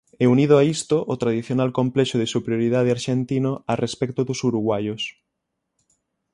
E unido a isto o tradicional complexo de superioridade arxentino a respecto dos uruguaios.